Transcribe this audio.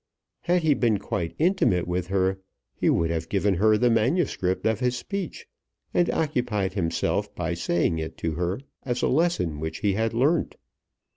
Had he been quite intimate with her he would have given her the manuscript of his speech, and occupied himself by saying it to her as a lesson which he had learnt.